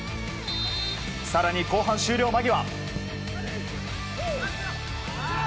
更に、後半終了間際。